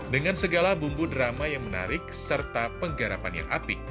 dengan segala bumbu drama yang menarik serta penggarapan yang apik